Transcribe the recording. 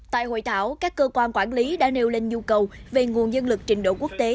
tại hội thảo các cơ quan quản lý đã nêu lên nhu cầu về nguồn nhân lực trình độ quốc tế